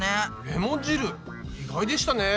レモン汁意外でしたね。